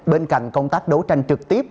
bên cạnh công tác đấu tranh trực tiếp